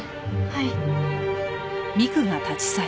はい。